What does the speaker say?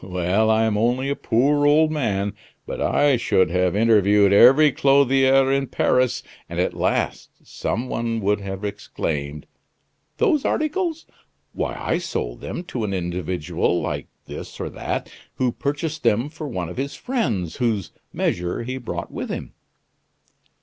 Well, I am only a poor old man, but I should have interviewed every clothier in Paris; and at last some one would have exclaimed: 'Those articles! Why, I sold them to an individual like this or that who purchased them for one of his friends whose measure he brought with him.